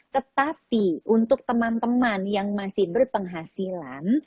tetapi untuk teman teman yang masih berpenghasilan